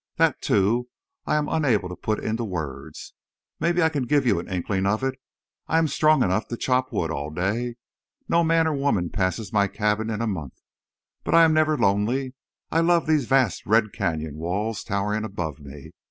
That, too, I am unable to put into words. Maybe I can give you an inkling of it. I'm strong enough to chop wood all day. No man or woman passes my cabin in a month. But I am never lonely. I love these vast red canyon walls towering above me.